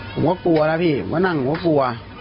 ผมก็กลัวแล้วพี่ผมก็นั่งผมก็กลัว